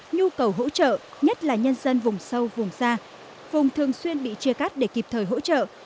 nhu cầu hỗ trợ nhất là nhân dân vùng sâu vùng xa vùng thường xuyên bị chia cắt để kịp thời hỗ trợ